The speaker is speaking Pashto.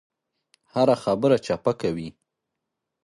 هره خبره چپه کوي.